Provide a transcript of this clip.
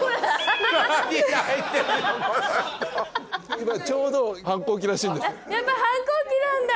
今ちょうど反抗期らしいんです。